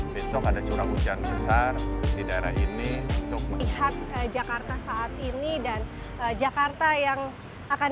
besok ada curah hujan besar di daerah ini untuk melihat jakarta saat ini dan jakarta yang akan